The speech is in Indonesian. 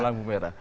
sudah lampu merah